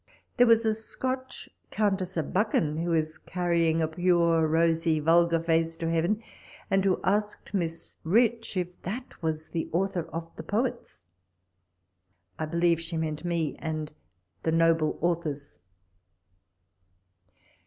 There was a Scotch Countess of Buchan, who is carrying a pure rosv vulgar face to heaven, and who asked Miss Rich, if that was the. author of the poets. I believe she meant im: and the Noble Authors.